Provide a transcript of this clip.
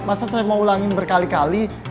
masa saya mau ulangin berkali kali